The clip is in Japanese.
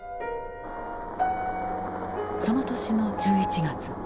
その年の１１月。